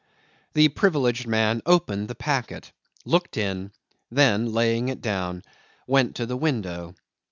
The privileged man opened the packet, looked in, then, laying it down, went to the window.